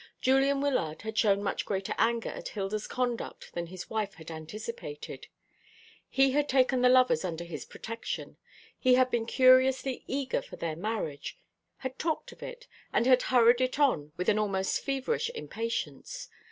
Julian Wyllard had shown much greater anger at Hilda's conduct than his wife had anticipated. He had taken the lovers under his protection, he had been curiously eager for their marriage, had talked of it, and had hurried it on with an almost feverish impatience.